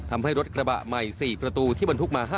ทำให้รถพลิกตะแคงต่างกลาว